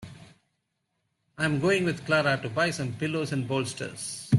I'm going with Clara to buy some pillows and bolsters.